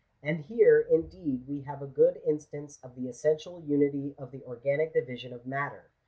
And here, indeed, we have a good instance of the essential unity of the organic division of matter.